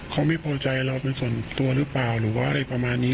เขาไม่พอใจเราเป็นส่วนตัวหรือเปล่าหรือว่าอะไรประมาณนี้